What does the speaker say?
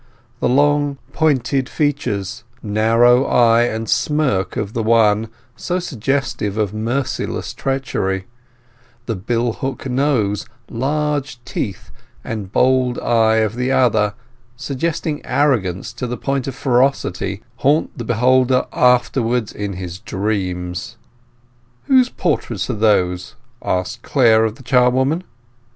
The long pointed features, narrow eye, and smirk of the one, so suggestive of merciless treachery; the bill hook nose, large teeth, and bold eye of the other suggesting arrogance to the point of ferocity, haunt the beholder afterwards in his dreams. "Whose portraits are those?" asked Clare of the charwoman.